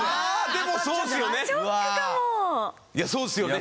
でもまあそうですよね。